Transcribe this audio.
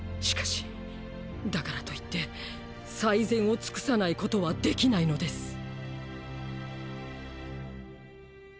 しかしだからと言って最善を尽くさないことはできないのです。